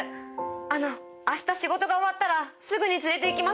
あのあした仕事が終わったらすぐに連れていきます。